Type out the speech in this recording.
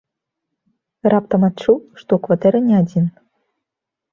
Раптам адчуў, што ў кватэры не адзін.